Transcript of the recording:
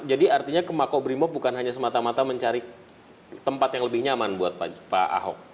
jadi artinya ke mako brimob bukan hanya semata mata mencari tempat yang lebih nyaman buat pak ahok